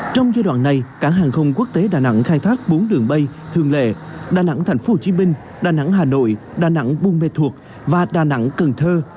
trong giai đoạn này cảng hàng không quốc tế đà nẵng khai thác bốn đường bay thường lệ đà nẵng thành phố hồ chí minh đà nẵng hà nội đà nẵng buôn mê thuộc và đà nẵng cần thơ